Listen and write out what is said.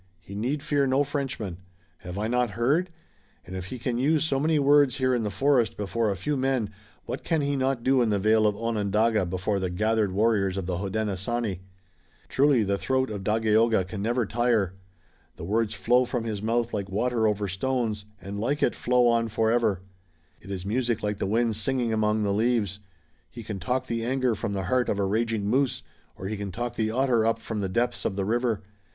"He need fear no Frenchman. Have I not heard? And if he can use so many words here in the forest before a few men what can he not do in the vale of Onondaga before the gathered warriors of the Hodenosaunee? Truly the throat of Dagaeoga can never tire. The words flow from his mouth like water over stones, and like it, flow on forever. It is music like the wind singing among the leaves. He can talk the anger from the heart of a raging moose, or he can talk the otter up from the depths of the river.